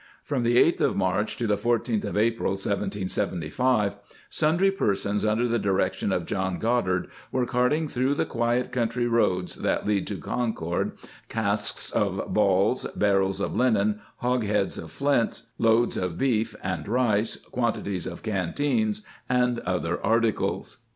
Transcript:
^ From the 8th of March to the 14th of April, 1775, sundry persons under the direction of John Goddard were carting through the quiet country roads that lead to Concord casks of balls, barrels of linen, hogsheads of flints, loads of beef and rice, quan tities of canteens and other articles.